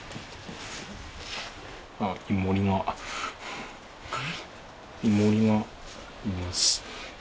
あっイモリがイモリがいます。